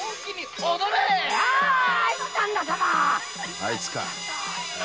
あいつか？